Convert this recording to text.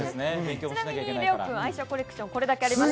ちなみにれおくん、愛車コレクション、これだけあります。